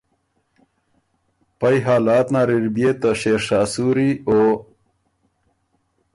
پئ حالات نر اِر بيې ته شېرشاه سوري او